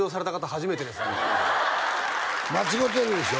初めてです間違うてるでしょ